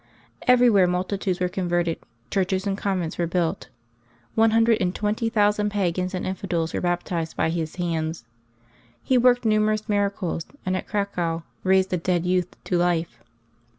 Everywhere multitudes were converted, churches and convents were built; one August 17] LIVES OF TEE SAINTS 283 hundred and twenty thousand pagans and infidels were baptized by his hands. He worked numerous miracles, and at Cracow raised a dead youth to life.